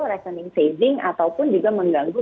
rekening saving ataupun juga mengganggu